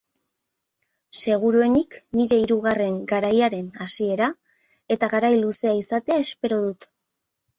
Seguruenik, nire hirugarren garaiaren hasiera, eta garai luzea izatea espero dut.